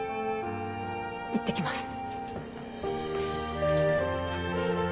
いってきます。